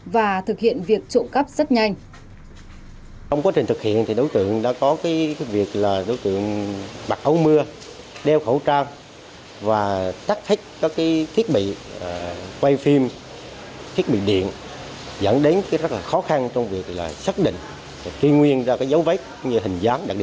và thực hiện việc trộm cắp rất nhanh